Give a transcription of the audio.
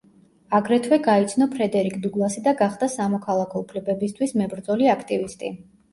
აგრეთვე გაიცნო ფრედერიკ დუგლასი და გახდა სამოქალაქო უფლებებისთვის მებრძოლი აქტივისტი.